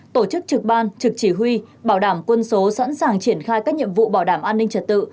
tổ chức trực ban trực chỉ huy bảo đảm quân số sẵn sàng triển khai các nhiệm vụ bảo đảm an ninh trật tự